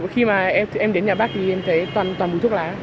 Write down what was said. khi mà em đến nhà bác thì em thấy toàn bụi thuốc lá